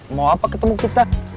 mau apa ketemu kita